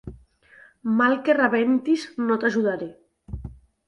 Mal que rebentis, no t'ajudaré.